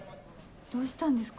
どうしたんですか？